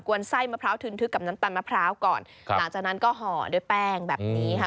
วนไส้มะพร้าวทึนทึกกับน้ำตาลมะพร้าวก่อนครับหลังจากนั้นก็ห่อด้วยแป้งแบบนี้ค่ะ